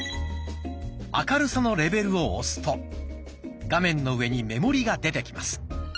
「明るさのレベル」を押すと画面の上に目盛りが出てきます。